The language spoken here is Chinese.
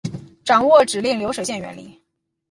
掌握指令流水线原理